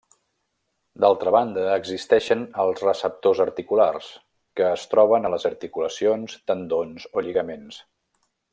D'altra banda existeixen els receptors articulars, que es troben a les articulacions, tendons o lligaments.